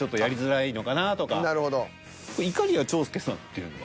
いかりや長介さんっていうのは。